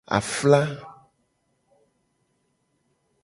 Afla.